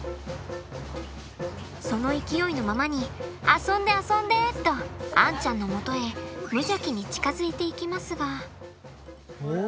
その勢いのままに遊んで遊んで！とアンちゃんのもとへ無邪気に近づいていきますが。